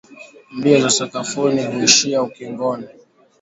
Mbio za sakafuni huishia ukingoni.